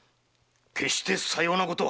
決してさようなことは！